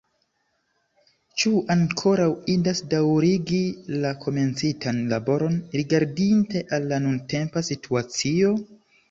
Ĉu ankoraŭ indas daŭrigi la komencitan laboron rigardinte al la nuntempa situacio?